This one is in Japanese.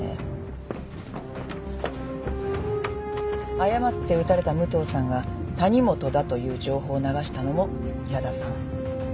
誤って撃たれた武藤さんが「谷本」だという情報を流したのも屋田さん。